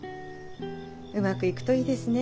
うまくいくといいですね。